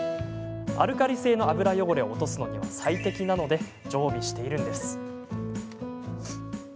アルカリ性の油汚れを落とすのには最適なので常備しているんです。